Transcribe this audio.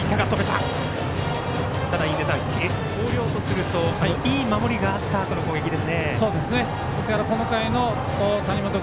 広陵とするといい守りがあったあとの攻撃ですね。